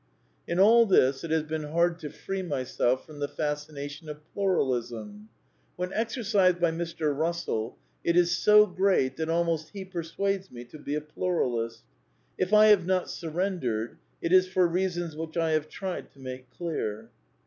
In all this it has been hard to free myself from the fas cination of Pluralism. When exercised by Mr. Eussell it is so great that almost he persuades me to be a Pluralist. If I have not surrendered it is for reasons which I have tried to make clear.